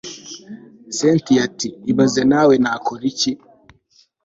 cyntia ati ibaze nawe nakoriki